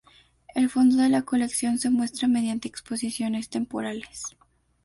El fondo de la colección se muestra mediante exposiciones temporales.